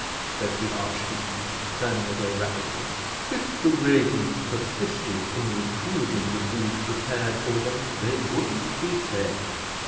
said the archdeacon, turning away rapidly. "If the ravens persisted in refusing the food prepared for them, they wouldn't be fed."